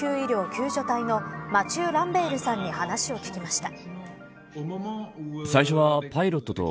救助隊のマチュー・ランベールさんに話を聞きました。